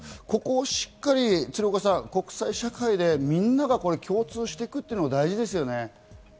ここをしっかり鶴岡さん、国際社会でみんなが共通しておくというのは大事ですよね。